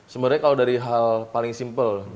sebenarnya kalau dari hal paling simpel